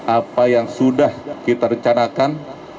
apa yang sudah kita rencanakan